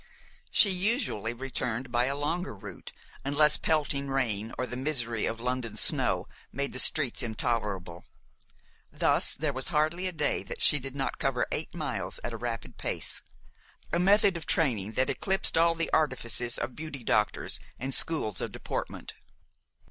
She usually returned by a longer route, unless pelting rain or the misery of London snow made the streets intolerable. Thus there was hardly a day that she did not cover eight miles at a rapid pace, a method of training that eclipsed all the artifices of beauty doctors and schools of deportment.